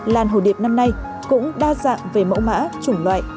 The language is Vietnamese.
làng hồ điệp năm nay cũng đa dạng về mẫu mã chủng loại